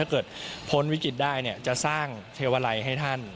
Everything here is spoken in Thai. เกิดพ้นวิกฤตได้จะสร้างเทวาลัยให้ท่าน